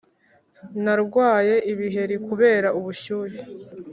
Narwaye ibiheri kubera ubushyuhe